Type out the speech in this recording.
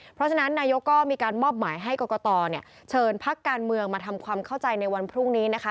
เพราะฉะนั้นนายกก็มีการมอบหมายให้กรกตเชิญพักการเมืองมาทำความเข้าใจในวันพรุ่งนี้นะคะ